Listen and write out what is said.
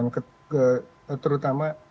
dan terutama kedua